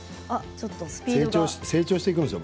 成長していくんですよ